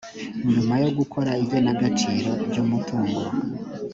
nyuma yo gukora igenagaciro ry umutungo